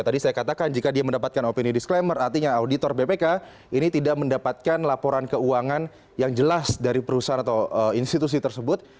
tadi saya katakan jika dia mendapatkan opini disclaimer artinya auditor bpk ini tidak mendapatkan laporan keuangan yang jelas dari perusahaan atau institusi tersebut